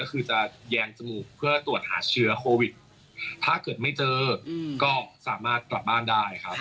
ก็คือจะแยงจมูกเพื่อตรวจหาเชื้อโควิดถ้าเกิดไม่เจอก็สามารถกลับบ้านได้ครับ